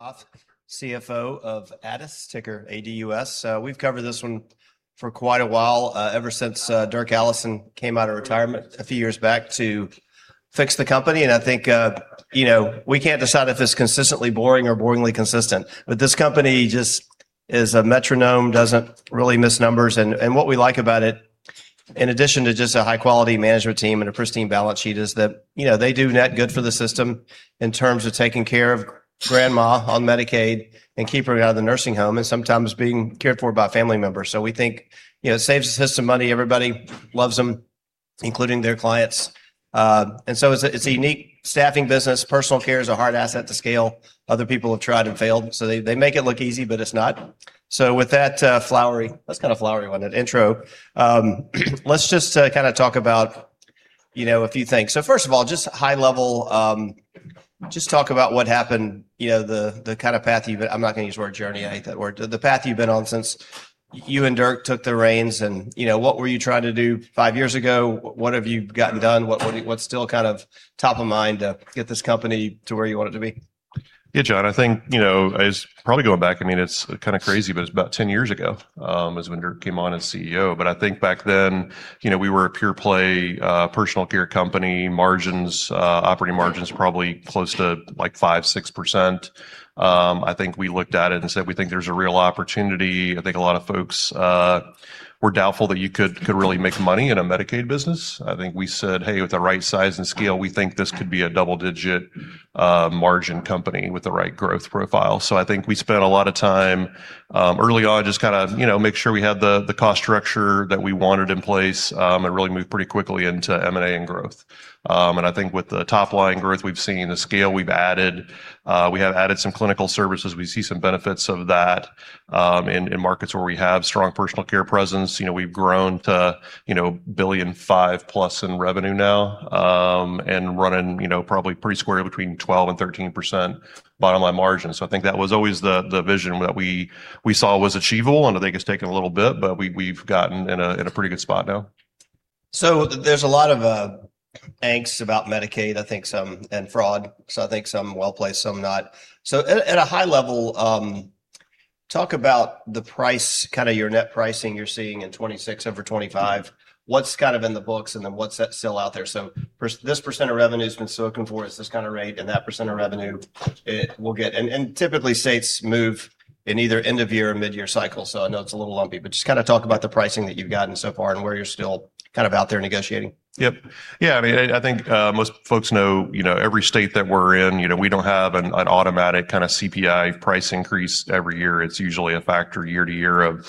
Poff CFO of Addus, ticker ADUS. We've covered this one for quite a while, ever since Dirk Allison came out of retirement a few years back to fix the company. I think, you know, we can't decide if it's consistently boring or boringly consistent. This company just is a metronome, doesn't really miss numbers. What we like about it, in addition to just a high quality management team and a pristine balance sheet, is that, you know, they do net good for the system in terms of taking care of grandma on Medicaid and keep her out of the nursing home, and sometimes being cared for by family members. We think, you know, it saves the system money. Everybody loves them, including their clients. It's a, it's a unique staffing business. Personal Care is a hard asset to scale. Other people have tried and failed, so they make it look easy, but it's not. With that, That's kind of a flowery one, that intro. Let's just kinda talk about, you know, a few things. First of all, just high level, just talk about what happened, you know. I'm not gonna use the word journey. I hate that word. The path you've been on since you and Dirk took the reins and, you know, what were you trying to do five years ago? What have you gotten done? What's still kind of top of mind to get this company to where you want it to be? Yeah, John. I think, you know, it's probably going back, I mean, it's kinda crazy, but it's about 10 years ago, is when Dirk came on as CEO. I think back then, you know, we were a pure play Personal Care company. Margins, operating margins probably close to, like, 5%, 6%. I think we looked at it and said we think there's a real opportunity. I think a lot of folks were doubtful that you could really make money in a Medicaid business. I think we said, "Hey, with the right size and scale, we think this could be a double-digit margin company with the right growth profile." I think we spent a lot of time early on just kinda, you know, make sure we had the cost structure that we wanted in place, and really moved pretty quickly into M&A and growth. I think with the top line growth we've seen, the scale we've added, we have added some clinical services. We see some benefits of that, in markets where we have strong Personal Care presence. You know, we've grown to, you know, $1.5 billion plus in revenue now, and running, you know, probably pretty square between 12% and 13% bottom line margin. I think that was always the vision that we saw was achievable, and I think it's taken a little bit, but we've gotten in a pretty good spot now. There's a lot of angst about Medicaid, I think some, and fraud. I think some well-placed, some not. At a high level, talk about the price, kinda your net pricing you're seeing in 2026 over 2025. What's kind of in the books, and then what's that still out there? This percent of revenue's been soaking for us, this kind of rate, and that percent of revenue it will get. Typically states move in either end of year or midyear cycle, so I know it's a little lumpy. Just kinda talk about the pricing that you've gotten so far and where you're still kind of out there negotiating. Yep. Yeah, I mean, I think most folks know, you know, every state that we're in, you know, we don't have an automatic kinda CPI price increase every year. It's usually a factor year to year of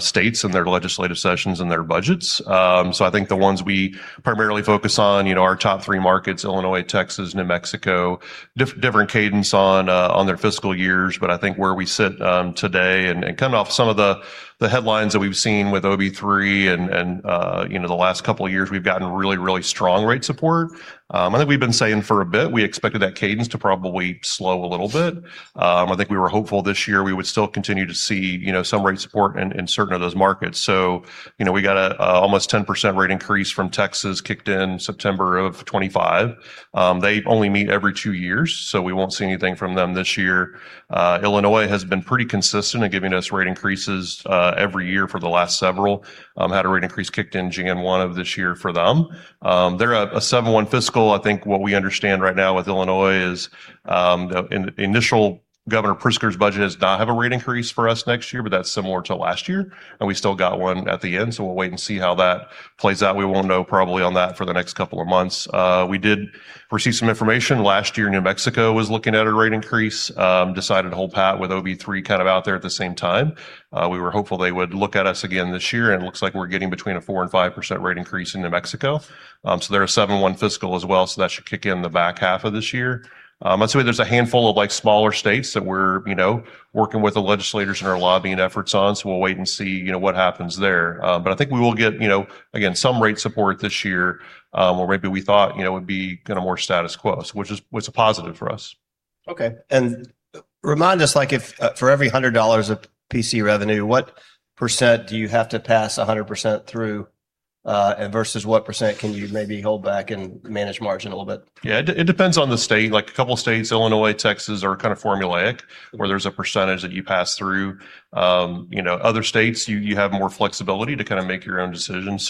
states and their legislative sessions and their budgets. I think the ones we primarily focus on, you know, our top three markets, Illinois, Texas, New Mexico, different cadence on their fiscal years. I think where we sit today and kinda off some of the headlines that we've seen with RB3 and you know, the last couple of years we've gotten really, really strong rate support. I think we've been saying for a bit we expected that cadence to probably slow a little bit. I think we were hopeful this year we would still continue to see, you know, some rate support in certain of those markets. You know, we got almost 10% rate increase from Texas, kicked in September of 2025. They only meet every two years, so we won't see anything from them this year. Illinois has been pretty consistent in giving us rate increases every year for the last several. Had a rate increase kicked in Jan 1 of this year for them. They're a 7-1 fiscal. I think what we understand right now with Illinois is, the initial Governor Pritzker's budget does not have a rate increase for us next year, but that's similar to last year, and we still got one at the end. We'll wait and see how that plays out. We won't know probably on that for the next couple of months. We did receive some information. Last year, New Mexico was looking at a rate increase, decided to hold pat with RB3 kind of out there at the same time. We were hopeful they would look at us again this year, and it looks like we're getting between a 4% and 5% rate increase in New Mexico. They're a 7-1 fiscal as well, so that should kick in the back half of this year. There's a handful of, like, smaller states that we're, you know, working with the legislators in our lobbying efforts on, so we'll wait and see, you know, what happens there. I think we will get, you know, again, some rate support this year, or rate that we thought, you know, would be kind of more status quo, which was a positive for us. Okay. remind us, like, if, for every $100 of PC revenue, what percent do you have to pass 100% through, versus what percent can you maybe hold back and manage margin a little bit? It depends on the state. Like, a couple of states, Illinois, Texas, are kinda formulaic, where there's a percentage that you pass through. Other states, you have more flexibility to kinda make your own decisions.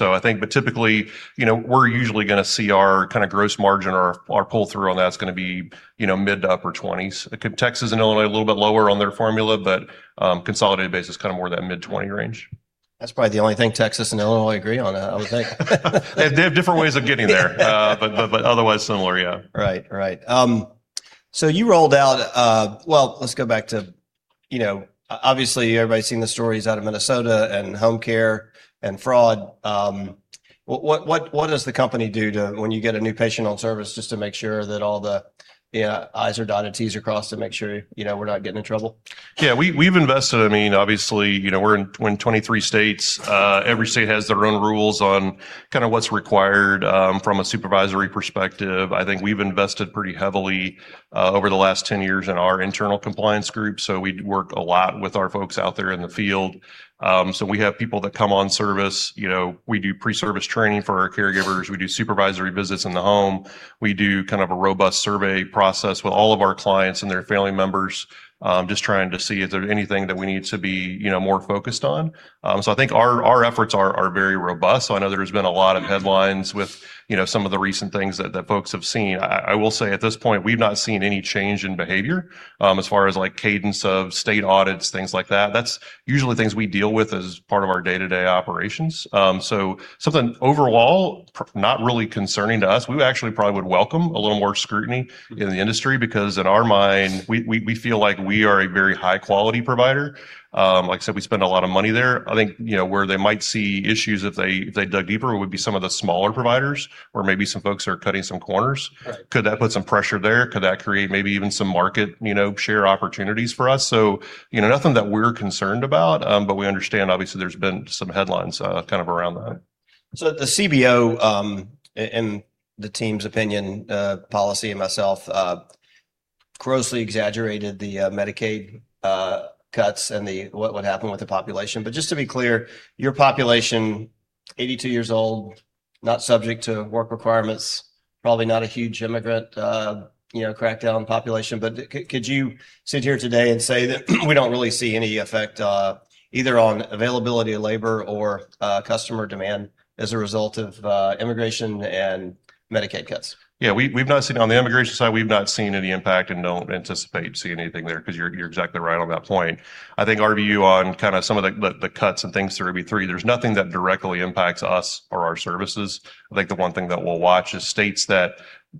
Typically, you know, we're usually gonna see our kinda gross margin or our pull-through on that's gonna be, you know, mid to upper twenties. Texas and Illinois are a little bit lower on their formula, but consolidated base is kinda more that mid-twenty range. That's probably the only thing Texas and Illinois agree on, I would think. They have different ways of getting there. Yeah. Otherwise similar, yeah. Right. Right. You rolled out. Let's go back to, you know, obviously everybody's seen the stories out of Minnesota and home care and fraud. What does the company do when you get a new patient on service, just to make sure that all the I's are dotted, T's are crossed to make sure, you know, we're not getting in trouble? We've invested, I mean, obviously, you know, we're in 23 states. Every state has their own rules on kinda what's required from a supervisory perspective. I think we've invested pretty heavily over the last 10 years in our internal compliance group, so we work a lot with our folks out there in the field. We have people that come on service. You know, we do pre-service training for our caregivers. We do supervisory visits in the home. We do kind of a robust survey process with all of our clients and their family members, just trying to see is there anything that we need to be, you know, more focused on. I think our efforts are very robust. I know there's been a lot of headlines with, you know, some of the recent things that folks have seen. I will say at this point, we've not seen any change in behavior, as far as, like, cadence of state audits, things like that. That's usually things we deal with as part of our day-to-day operations. Something overall not really concerning to us. We actually probably would welcome a little more scrutiny in the industry, because in our mind, we feel like we are a very high quality provider. Like I said, we spend a lot of money there. I think, you know, where they might see issues if they, if they dug deeper would be some of the smaller providers where maybe some folks are cutting some corners. Right. Could that put some pressure there? Could that create maybe even some market, you know, share opportunities for us? You know, nothing that we're concerned about, but we understand obviously there's been some headlines, kind of around that. The CBO, in the team's opinion, policy and myself, grossly exaggerated the Medicaid cuts and the what would happen with the population. Just to be clear, your population, 82 years old, not subject to work requirements, probably not a huge immigrant crackdown population. Could you sit here today and say that we don't really see any effect either on availability of labor or customer demand as a result of immigration and Medicaid cuts? We've not seen... On the immigration side, we've not seen any impact and don't anticipate seeing anything there, 'cause you're exactly right on that point. I think our view on kinda some of the cuts and things to RB3, there's nothing that directly impacts us or our services. I think the one thing that we'll watch is states that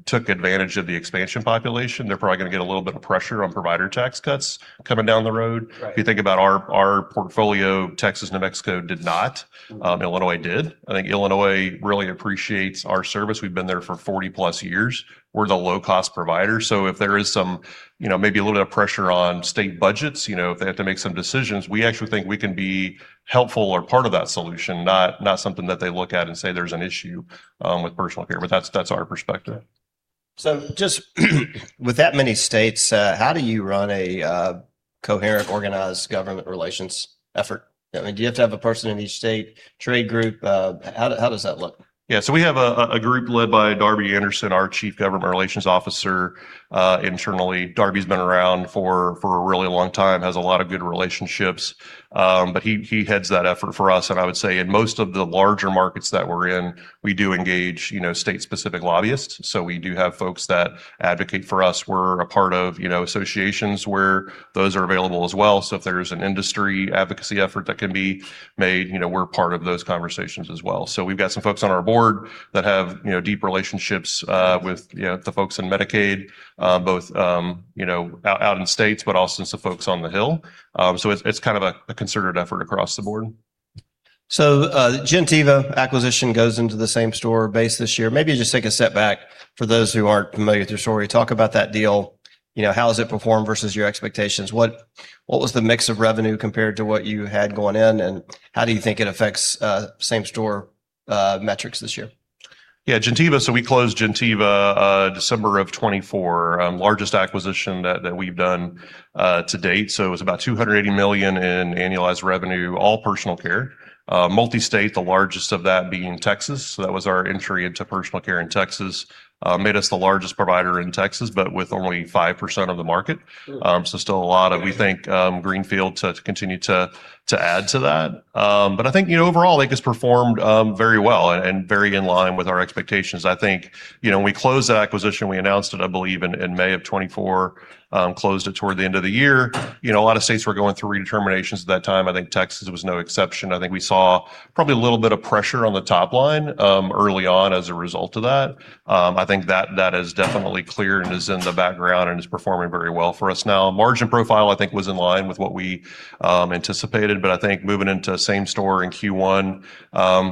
took advantage of the expansion population, they're probably gonna get a little bit of pressure on provider tax cuts coming down the road. Right. You think about our portfolio, Texas, New Mexico did not, Illinois did. I think Illinois really appreciates our service. We've been there for 40+ years. We're the low-cost provider. If there is some, you know, maybe a little bit of pressure on state budgets, you know, if they have to make some decisions, we actually think we can be helpful or part of that solution, not something that they look at and say there's an issue with Personal Care. That's, that's our perspective. Just with that many states, how do you run a coherent, organized government relations effort? I mean, do you have to have a person in each state, trade group? How does that look? Yeah. We have a group led by Darby Anderson, our Chief Government Relations Officer, internally. Darby's been around for a really long time, has a lot of good relationships. He heads that effort for us. I would say in most of the larger markets that we're in, we do engage, you know, state-specific lobbyists. We do have folks that advocate for us. We're a part of, you know, associations where those are available as well. If there's an industry advocacy effort that can be made, you know, we're part of those conversations as well. We've got some folks on our board that have, you know, deep relationships with, you know, the folks in Medicaid, both, you know, out in states, but also some folks on the Hill. It's, it's kind of a concerted effort across the board. Gentiva acquisition goes into the same store base this year. Maybe just take a step back for those who aren't familiar with your story. Talk about that deal. You know, how has it performed versus your expectations? What was the mix of revenue compared to what you had going in, and how do you think it affects same store metrics this year? Yeah, Gentiva, we closed Gentiva, December of 2024. Largest acquisition that we've done to date. It was about $280 million in annualized revenue, all Personal Care. Multi-state, the largest of that being Texas. That was our entry into Personal Care in Texas. Made us the largest provider in Texas with only 5% of the market. Still a lot of- Yeah we think greenfield to continue to add to that. I think, you know, overall, I think it's performed very well and very in line with our expectations. I think, you know, when we closed that acquisition, we announced it, I believe, in May of 2024, closed it toward the end of the year. You know, a lot of states were going through redeterminations at that time. I think Texas was no exception. I think we saw probably a little bit of pressure on the top line early on as a result of that. I think that is definitely clear and is in the background and is performing very well for us now. Margin profile I think was in line with what we anticipated, but I think moving into same store in Q1,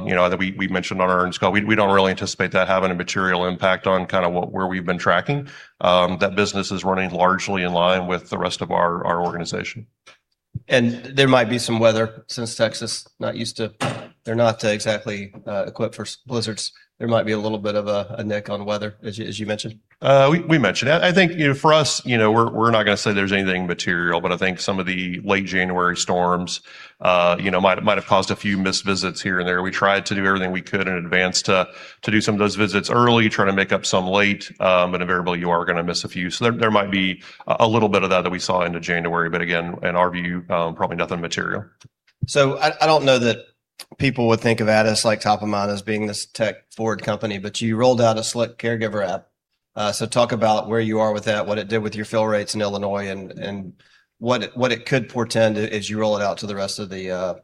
you know, that we mentioned on our earnings call, we don't really anticipate that having a material impact on kinda where we've been tracking. That business is running largely in line with the rest of our organization. There might be some weather since Texas not used to, they're not exactly equipped for blizzards. There might be a little bit of a nick on weather as you mentioned. We mentioned. I think, you know, for us, you know, we're not gonna say there's anything material, but I think some of the late January storms, you know, might have caused a few missed visits here and there. We tried to do everything we could in advance to do some of those visits early, try to make up some late, but invariably you are gonna miss a few. There might be a little bit of that that we saw into January. Again, in our view, probably nothing material. I don't know that people would think of Addus like Top of Mind as being this tech-forward company, but you rolled out a select caregiver app. Talk about where you are with that, what it did with your fill rates in Illinois, and what it could portend as you roll it out to the rest of the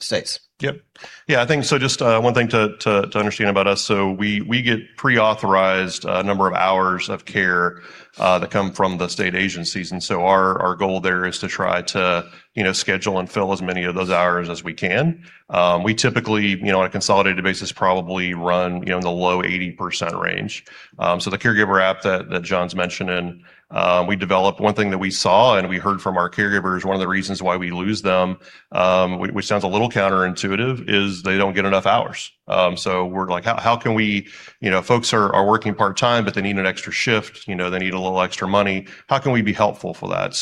states? I think so just one thing to understand about us, so we get pre-authorized a number of hours of care that come from the state agencies. Our goal there is to try to, you know, schedule and fill as many of those hours as we can. We typically, you know, on a consolidated basis probably run, you know, in the low 80% range. The caregiver app that John's mentioning, we developed, one thing that we saw and we heard from our caregivers, one of the reasons why we lose them, which sounds a little counterintuitive, is they don't get enough hours. We're like, "How can we..." You know, folks are working part-time, but they need an extra shift. You know, they need a little extra money. How can we be helpful for that?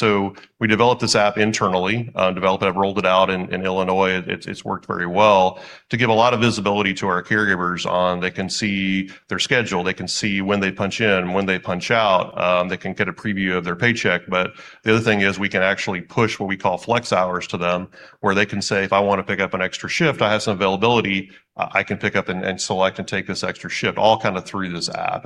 We developed this app internally, developed it, rolled it out in Illinois. It's worked very well to give a lot of visibility to our caregivers on, they can see their schedule. They can see when they punch in, when they punch out. They can get a preview of their paycheck. The other thing is we can actually push what we call flex hours to them, where they can say, "If I wanna pick up an extra shift, I have some availability, I can pick up and select and take this extra shift," all kind of through this app.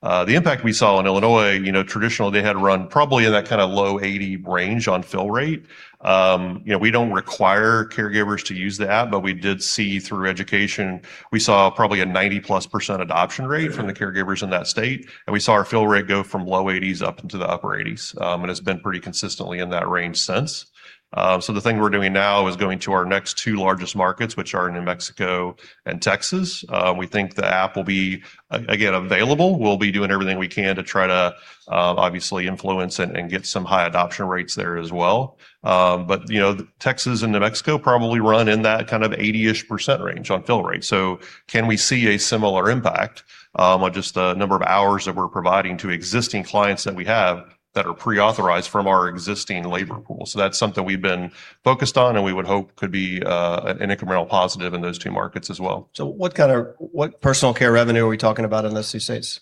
The impact we saw in Illinois, you know, traditional, they had run probably in that kinda low 80 range on fill rate. You know, we don't require caregivers to use the app, but we did see through education, we saw probably a 90%+ adoption rate from the caregivers in that state, and we saw our fill rate go from low 80s up into the upper 80s. It's been pretty consistently in that range since. The thing we're doing now is going to our next two largest markets, which are New Mexico and Texas. We think the app will be available. We'll be doing everything we can to try to obviously influence and get some high adoption rates there as well. you know, Texas and New Mexico probably run in that kind of 80%-ish range on fill rate. Can we see a similar impact on just the number of hours that we're providing to existing clients that we have that are pre-authorized from our existing labor pool? That's something we've been focused on and we would hope could be an incremental positive in those two markets as well. What Personal Care revenue are we talking about in those two states?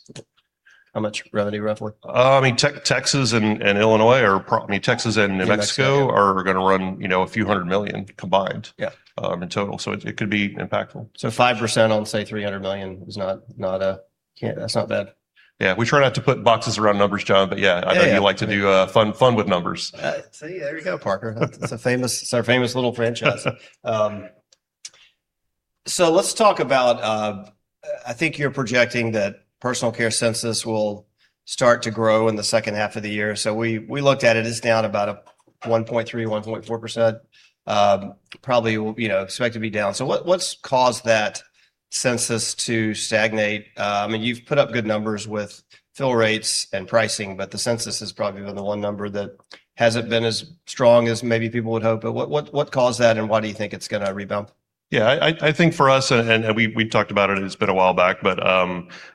How much revenue roughly? I mean, Texas and Illinois I mean, Texas and New Mexico- New Mexico are gonna run, you know, a few hundred million combined. Yeah in total. It could be impactful. 5% on, say, $300 million. That's not bad. Yeah. We try not to put boxes around numbers, John, but yeah. Yeah, yeah. I know you like to do, fun with numbers. See, there you go, Poff. That's our famous little franchise. Let's talk about, I think you're projecting that Personal Care census will start to grow in the second half of the year. We looked at it. It's down about 1.3%-1.4%. Probably will, you know, expect to be down. What's caused that census to stagnate? I mean, you've put up good numbers with fill rates and pricing, but the census has probably been the one number that hasn't been as strong as maybe people would hope. What caused that, and why do you think it's gonna rebound? Yeah. I think for us, and we talked about it's been a while back, but,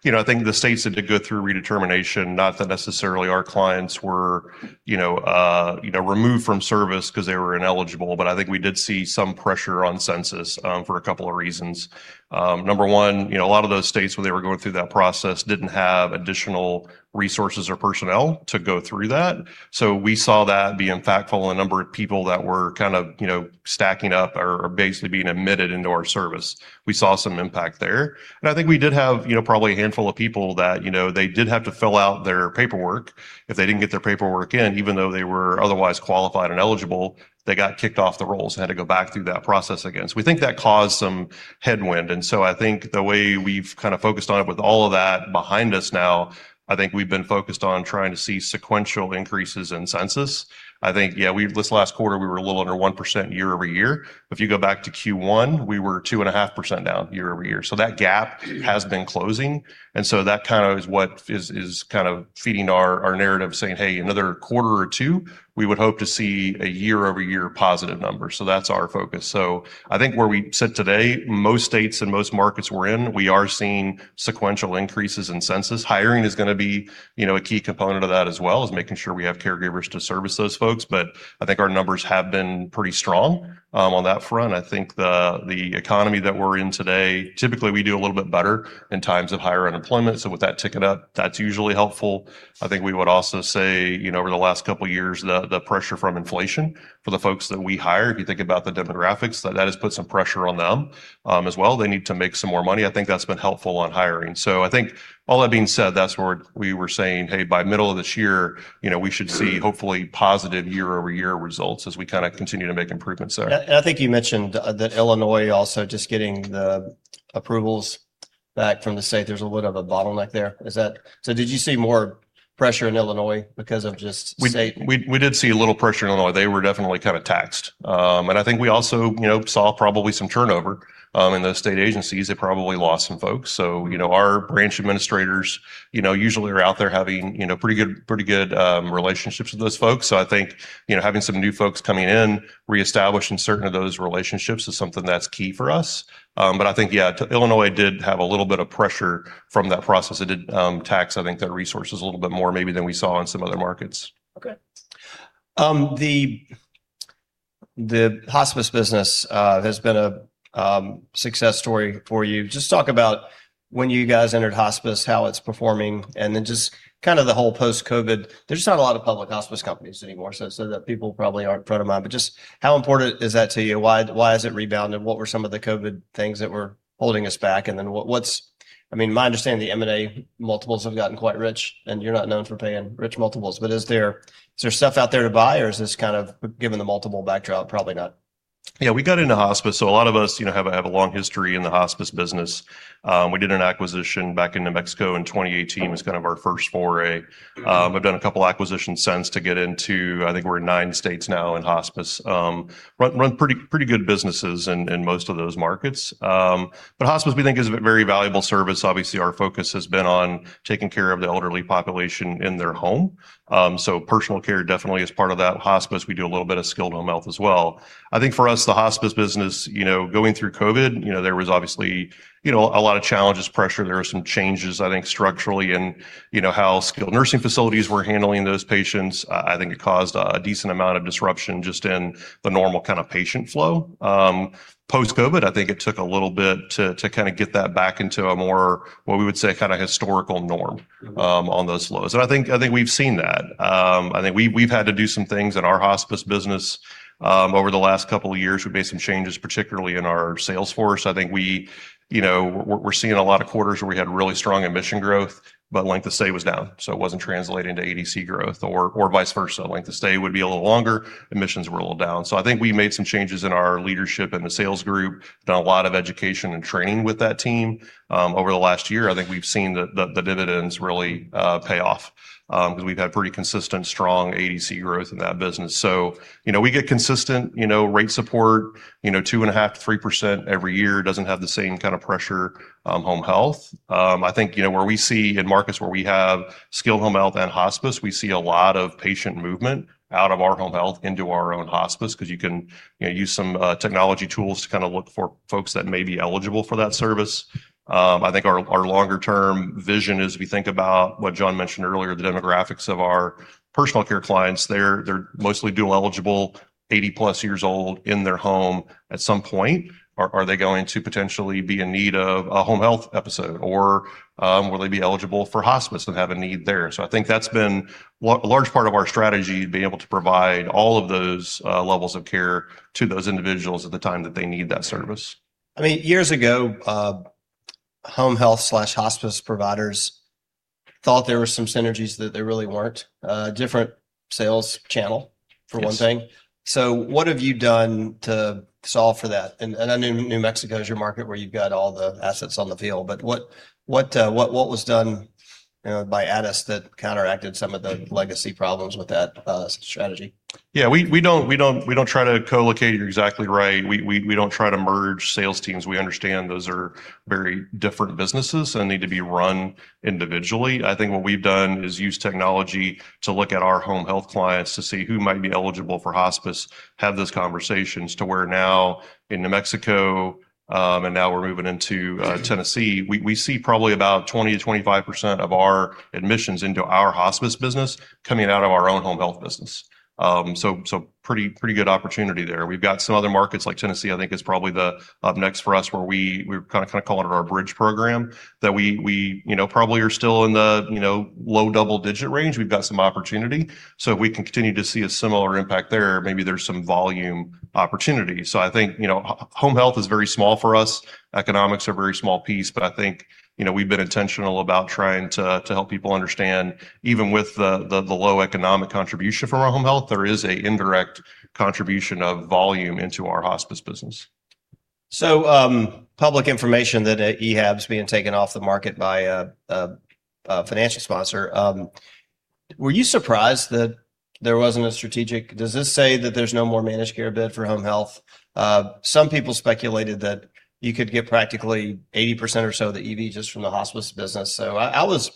you know, I think the states had to go through redetermination, not that necessarily our clients were, you know, removed from service 'cause they were ineligible. I think we did see some pressure on census for a couple of reasons. Number one, you know, a lot of those states when they were going through that process didn't have additional resources or personnel to go through that. We saw that be impactful on the number of people that were kind of, you know, stacking up or basically being admitted into our service. We saw some impact there. I think we did have, you know, probably a handful of people that, you know, they did have to fill out their paperwork. If they didn't get their paperwork in, even though they were otherwise qualified and eligible, they got kicked off the rolls and had to go back through that process again. We think that caused some headwind. I think the way we've kind of focused on it with all of that behind us now, I think we've been focused on trying to see sequential increases in census. I think, yeah, this last quarter, we were a little under 1% year-over-year. If you go back to Q1, we were 2.5% down year-over-year. That gap has been closing. That kind of is what is kind of feeding our narrative saying, "Hey, another quarter or two, we would hope to see a year-over-year positive number." That's our focus. I think where we sit today, most states and most markets we're in, we are seeing sequential increases in census. Hiring is gonna be, you know, a key component of that as well, is making sure we have caregivers to service those folks. I think our numbers have been pretty strong on that front. I think the economy that we're in today, typically, we do a little bit better in times of higher unemployment. With that ticking up, that's usually helpful. I think we would also say, you know, over the last couple years, the pressure from inflation for the folks that we hire, if you think about the demographics, that has put some pressure on them as well. They need to make some more money. I think that's been helpful on hiring. I think all that being said, that's where we were saying, "Hey, by middle of this year, you know, we should see hopefully positive year-over-year results as we kinda continue to make improvements there. I think you mentioned, that Illinois also just getting the approvals back from the state. There's a bit of a bottleneck there. Did you see more pressure in Illinois because of just state-? We did see a little pressure in Illinois. They were definitely kind of taxed. I think we also, you know, saw probably some turnover in those state agencies. They probably lost some folks. Our branch administrators, you know, usually are out there having, you know, pretty good relationships with those folks. I think, you know, having some new folks coming in, reestablishing certain of those relationships is something that's key for us. I think, yeah, Illinois did have a little bit of pressure from that process. It did, tax, I think, their resources a little bit more maybe than we saw in some other markets. Okay. Um, the The Hospice business has been a success story for you. Just talk about when you guys entered Hospice, how it's performing, and then just kind of the whole post-COVID. There's just not a lot of public Hospice companies anymore, so that people probably aren't front of mind. Just how important is that to you? Why has it rebounded? What were some of the COVID things that were holding us back? I mean, my understanding, the M&A multiples have gotten quite rich, and you're not known for paying rich multiples. Is there stuff out there to buy, or is this kind of, given the multiple backdrop, probably not? Yeah. We got into Hospice, a lot of us, you know, have a long history in the Hospice business. We did an acquisition back in New Mexico in 2018. It was kind of our first foray. We've done a couple acquisitions since to get into, I think we're in nine states now in Hospice. We run pretty good businesses in most of those markets. Hospice, we think, is a very valuable service. Obviously, our focus has been on taking care of the elderly population in their home. Personal Care definitely is part of that. Hospice, we do a little bit of skilled home health as well. I think for us, the Hospice business, you know, going through COVID, you know, there was obviously, you know, a lot of challenges, pressure. There were some changes, I think, structurally in, you know, how skilled nursing facilities were handling those patients. I think it caused a decent amount of disruption just in the normal kind of patient flow. Post-COVID, I think it took a little bit to kinda get that back into a more, what we would say, kinda historical norm, on those flows. I think we've seen that. I think we've had to do some things in our Hospice business, over the last couple years. We've made some changes, particularly in our sales force. I think we, you know, we're seeing a lot of quarters where we had really strong admission growth, but length of stay was down, so it wasn't translating to ADC growth or vice versa. Length of stay would be a little longer, admissions were a little down. I think we made some changes in our leadership and the sales group, done a lot of education and training with that team. Over the last year, I think we've seen the, the dividends really pay off 'cause we've had pretty consistent, strong ADC growth in that business. You know, we get consistent, you know, rate support, you know, 2.5%-3% every year. Doesn't have the same kind of pressure, home health. I think, you know, where we see, in markets where we have skilled home health and Hospice, we see a lot of patient movement out of our home health into our own Hospice, 'cause you can, you know, use some technology tools to kinda look for folks that may be eligible for that service. I think our longer term vision is we think about what John mentioned earlier, the demographics of our Personal Care clients. They're mostly dual eligible, 80+years old, in their home at some point. Are they going to potentially be in need of a home health episode, or will they be eligible for Hospice and have a need there? I think that's been a large part of our strategy, being able to provide all of those levels of care to those individuals at the time that they need that service. I mean, years ago, home health/Hospice providers thought there were some synergies that there really weren't. A different sales channel. Yes... for one thing. What have you done to solve for that? I know New Mexico is your market where you've got all the assets on the field, but what was done, you know, by Addus that counteracted some of the legacy problems with that strategy? Yeah. We don't try to co-locate it. You're exactly right. We don't try to merge sales teams. We understand those are very different businesses and need to be run individually. I think what we've done is use technology to look at our home health clients to see who might be eligible for Hospice, have those conversations to where now in New Mexico, and now we're moving into Tennessee, we see probably about 20%-25% of our admissions into our Hospice business coming out of our own home health business. Pretty good opportunity there. We've got some other markets, like Tennessee I think is probably the up next for us, where we kinda call it our bridge program, that we, you know, probably are still in the, you know, low double digit range. We've got some opportunity. If we can continue to see a similar impact there, maybe there's some volume opportunity. I think, you know, home health is very small for us. Economics are a very small piece. I think, you know, we've been intentional about trying to help people understand, even with the low economic contribution from our home health, there is a indirect contribution of volume into our Hospice business. Public information that EHAB's being taken off the market by a financial sponsor. Were you surprised that there wasn't a strategic--? Does this say that there's no more managed care bid for home health? Some people speculated that you could get practically 80% or so of the EV just from the Hospice business. I was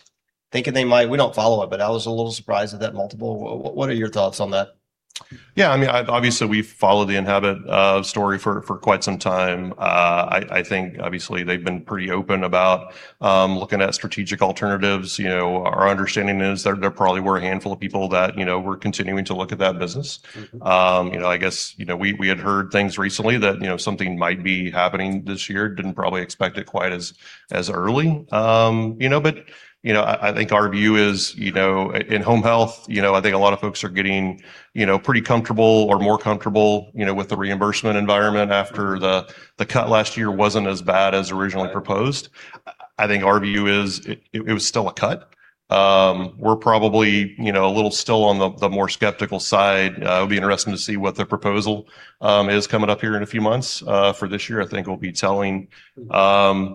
thinking they might. We don't follow it, but I was a little surprised at that multiple. What are your thoughts on that? Yeah, I mean, obviously we've followed the EHAB story for quite some time. I think obviously they've been pretty open about looking at strategic alternatives. You know, our understanding is there probably were a handful of people that, you know, were continuing to look at that business. You know, I guess, you know, we had heard things recently that, you know, something might be happening this year. Didn't probably expect it quite as early. You know, I think our view is, you know, in home health, you know, I think a lot of folks are getting, you know, pretty comfortable or more comfortable, you know, with the reimbursement environment after the cut last year wasn't as bad as originally proposed. I think our view is it was still a cut. We're probably, you know, a little still on the more skeptical side. It'll be interesting to see what the proposal is coming up here in a few months for this year. I think it'll be telling. You know,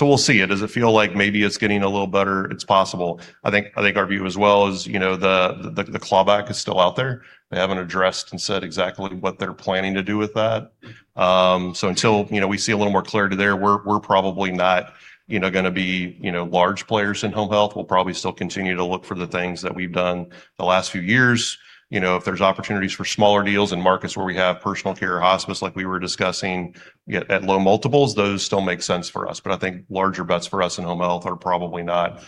we'll see. Does it feel like maybe it's getting a little better? It's possible. I think our view as well is, you know, the clawback is still out there. They haven't addressed and said exactly what they're planning to do with that. Until, you know, we see a little more clarity there, we're probably not, you know, gonna be, you know, large players in home health. We'll probably still continue to look for the things that we've done the last few years. You know, if there's opportunities for smaller deals in markets where we have Personal Care or Hospice, like we were discussing at low multiples, those still make sense for us. I think larger bets for us in home health are probably not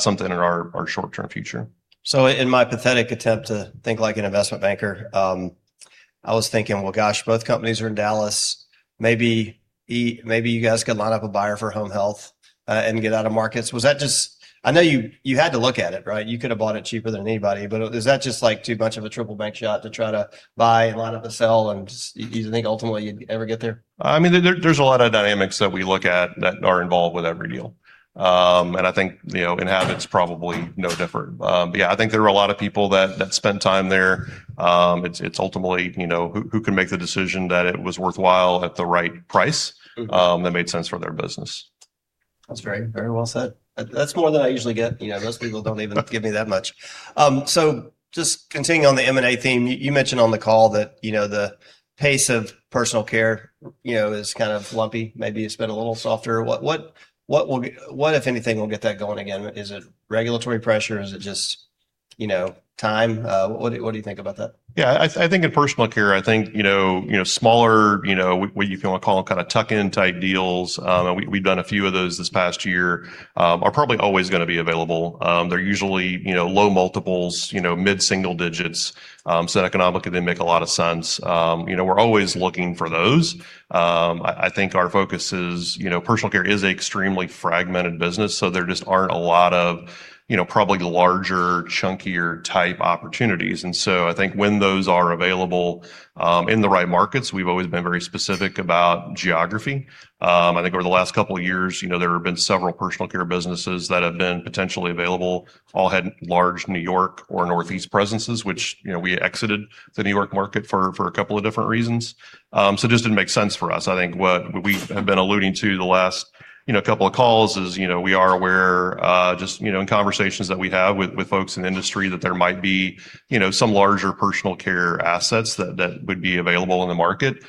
something in our short-term future. In my pathetic attempt to think like an investment banker, I was thinking, well, gosh, both companies are in Dallas. Maybe you guys could line up a buyer for home health and get out of markets. Was that just? I know you had to look at it, right? You could have bought it cheaper than anybody, but is that just like too much of a triple bank shot to try to buy, line up a sell, and just? Do you think ultimately you'd ever get there? I mean, there's a lot of dynamics that we look at that are involved with every deal. I think, you know, Enhabit's probably no different. Yeah, I think there are a lot of people that spent time there. It's ultimately, you know, who can make the decision that it was worthwhile at the right price. Mm-hmm... that made sense for their business. That's very, very well said. That's more than I usually get. You know, most people don't even give me that much. Just continuing on the M&A theme, you mentioned on the call that, you know, the pace of Personal Care, you know, is kind of lumpy. Maybe it's been a little softer. What, if anything, will get that going again? Is it regulatory pressure? Is it just, you know, time? What do you, what do you think about that? I think in Personal Care, I think, you know, you know, smaller, you know, what you wanna call kind of tuck in type deals, and we've done a few of those this past year, are probably always gonna be available. They're usually, you know, low multiples, you know, mid single digits. Economically, they make a lot of sense. You know, we're always looking for those. I think our focus is, you know, Personal Care is extremely fragmented business, so there just aren't a lot of, you know, probably larger, chunkier type opportunities. I think when those are available, in the right markets, we've always been very specific about geography. I think over the last couple of years, you know, there have been several Personal Care businesses that have been potentially available, all had large New York or Northeast presences, which, you know, we exited the New York market for a couple of different reasons. It just didn't make sense for us. I think what we have been alluding to the last, you know, couple of calls is, you know, we are aware, just, you know, in conversations that we have with folks in the industry that there might be, you know, some larger Personal Care assets that would be available in the market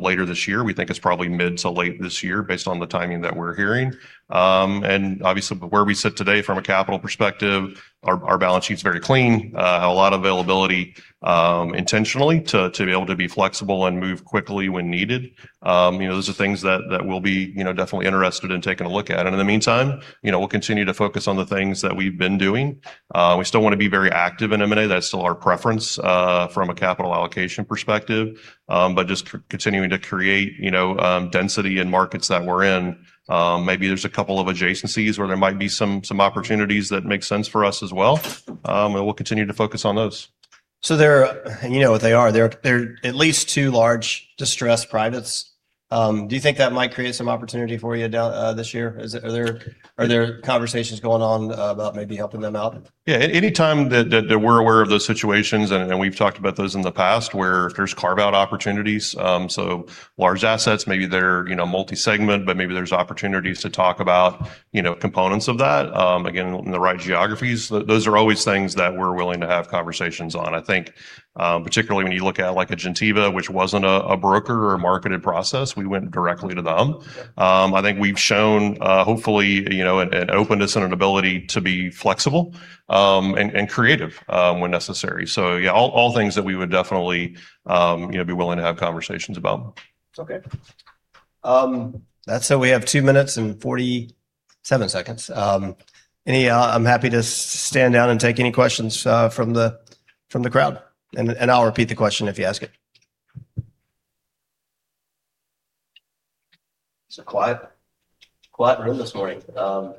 later this year. We think it's probably mid to late this year based on the timing that we're hearing. Obviously, where we sit today from a capital perspective, our balance sheet's very clean. A lot of availability, intentionally to be able to be flexible and move quickly when needed. You know, those are things that we'll be, you know, definitely interested in taking a look at. In the meantime, you know, we'll continue to focus on the things that we've been doing. We still wanna be very active in M&A. That's still our preference, from a capital allocation perspective. Just continuing to create, you know, density in markets that we're in. Maybe there's a couple of adjacencies where there might be some opportunities that make sense for us as well. We'll continue to focus on those. there are, you know what they are. There are at least two large distressed privates. Do you think that might create some opportunity for you this year? Are there conversations going on about maybe helping them out? Yeah. Anytime that we're aware of those situations, and we've talked about those in the past, where there's carve-out opportunities, so large assets, maybe they're, you know, multi-segment, but maybe there's opportunities to talk about, you know, components of that, again, in the right geographies. Those are always things that we're willing to have conversations on. I think, particularly when you look at like a Gentiva, which wasn't a broker or a marketed process, we went directly to them. I think we've shown, hopefully, you know, an openness and an ability to be flexible, and creative, when necessary. Yeah, all things that we would definitely, you know, be willing to have conversations about. Okay. That said, we have two minutes and 47 seconds. I'm happy to stand down and take any questions from the crowd, and I'll repeat the question if you ask it. It's a quiet room this morning. All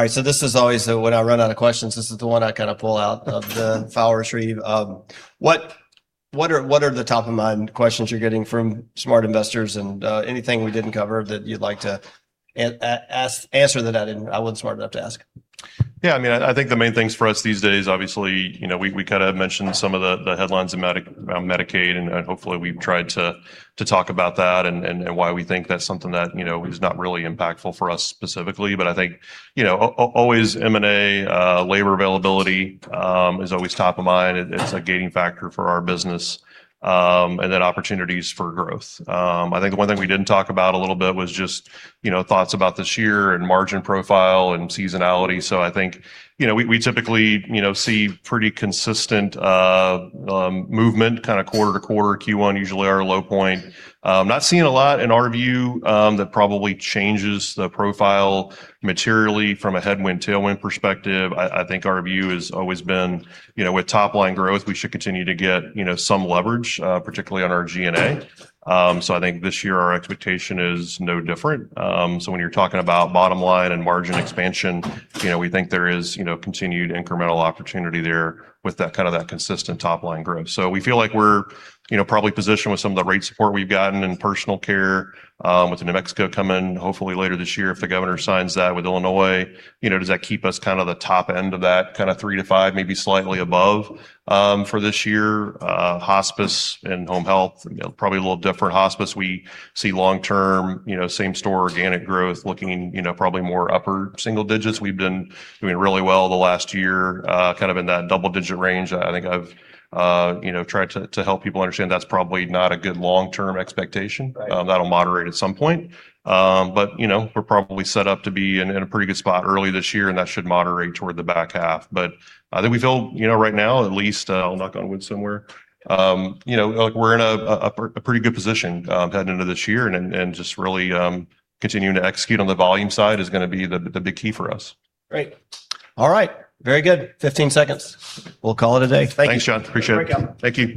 right. This is always when I run out of questions, this is the one I kinda pull out of the file retrieve. What are the top of mind questions you're getting from smart investors and anything we didn't cover that you'd like to answer that I didn't, I wasn't smart enough to ask? Yeah, I mean, I think the main things for us these days, obviously, you know, we kinda mentioned some of the headlines around Medicaid, and hopefully we've tried to talk about that and why we think that's something that, you know, is not really impactful for us specifically. I think, you know, always M&A, labor availability is always top of mind. It's a gaining factor for our business, then opportunities for growth. I think the one thing we didn't talk about a little bit was just, you know, thoughts about this year and margin profile and seasonality. I think, you know, we typically, you know, see pretty consistent movement kinda quarter to quarter. Q1 usually are a low point. Not seeing a lot in our view that probably changes the profile materially from a headwind/tailwind perspective. I think our view has always been, you know, with top line growth, we should continue to get, you know, some leverage particularly on our G&A. I think this year our expectation is no different. When you're talking about bottom line and margin expansion, you know, we think there is, you know, continued incremental opportunity there with that kind of that consistent top line growth. We feel like we're, you know, probably positioned with some of the rate support we've gotten in Personal Care, with the New Mexico coming hopefully later this year if the Governor signs that. With Illinois, you know, does that keep us kinda the top end of that kinda 3%-5%, maybe slightly above, for this year? Hospice and home health, you know, probably a little different. Hospice, we see long-term, you know, same store organic growth looking, you know, probably more upper single digits. We've been doing really well the last year, kind of in that double digit range. I think I've, you know, tried to help people understand that's probably not a good long term expectation. Right. That'll moderate at some point. You know, we're probably set up to be in a pretty good spot early this year, and that should moderate toward the back half. I think we feel, you know, right now at least, I'll knock on wood somewhere, you know, like we're in a pretty good position, heading into this year and just really, continuing to execute on the volume side is gonna be the big key for us. Great. All right. Very good. 15 seconds. We'll call it a day. Thank you. Thanks, John. Appreciate it. Great job. Thank you.